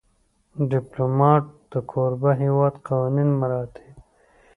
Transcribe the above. ډيپلومات د کوربه هېواد قوانین مراعاتوي.